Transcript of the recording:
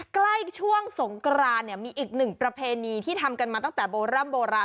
ใกล้ช่วงสงกรานเนี่ยมีอีกหนึ่งประเพณีที่ทำกันมาตั้งแต่โบร่ำโบราณ